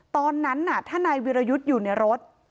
ตอนนั้นถ้านายวิรยุทธ์อยู่ในรถ